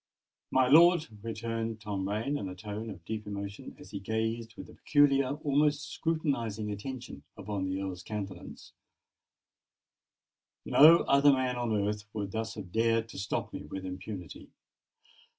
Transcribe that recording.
"My lord," returned Tom Rain in a tone of deep emotion, as he gazed with peculiar—almost scrutinising attention upon the Earl's countenance,—"no other man on earth would thus have dared to stop me with impunity.